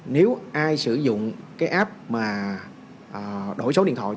nếu ai sử dụng cái app mà đổi số điện thoại